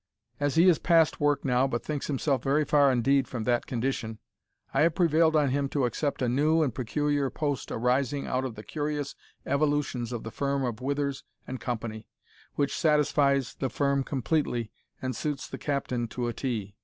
As he is past work now, but thinks himself very far indeed from that condition, I have prevailed on him to accept a new and peculiar post arising out of the curious evolutions of the firm of Withers and Company which satisfies the firm completely and suits the captain to a T.